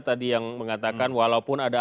tadi yang mengatakan walaupun ada